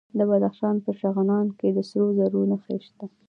د بدخشان په شغنان کې د سرو زرو نښې شته.